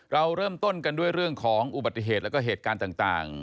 เราเริ่มต้นกันด้วยเรื่องของอุบัติเหตุแล้วก็เหตุการณ์ต่าง